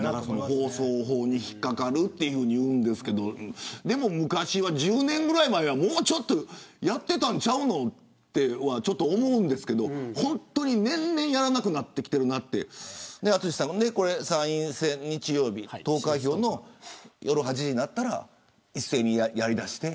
放送法に引っ掛かるというんですけどでも昔は、１０年ぐらい前はもうちょっとやってたんちゃうのと思うんですけど本当に年々やらなくなってきてるなって淳さん、参院選日曜日、投開票の夜８時になったら一斉にやりだして。